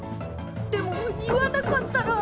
でも言わなかったら。